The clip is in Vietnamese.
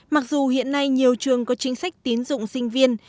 mặc dù hiện nay nhiều trường có chính sách tín dụng sinh viên